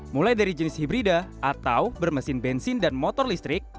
mulai dari jenis hibrida atau bermesin bensin dan motor listrik